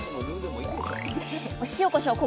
塩こしょう